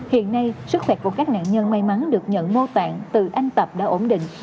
hiện nay sức khỏe của các nạn nhân may mắn được nhận mô tạng từ anh tập đã ổn định